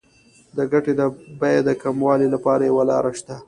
د ګټې د بیې د کموالي لپاره یوه لار شته